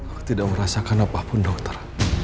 aku tidak mau merasakan apa pun dokter